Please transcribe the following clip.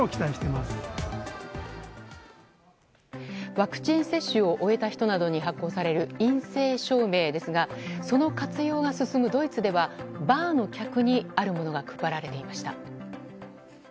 ワクチン接種を終えた人などに発行される陰性証明ですがその活用が進むドイツではバーの客にあるものが配られていました。